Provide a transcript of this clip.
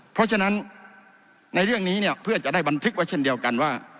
เพราะฉะนั้นในเรื่องนี้เนี่ยเพื่อจะได้บันทึกไว้เช่นเดียวกันว่า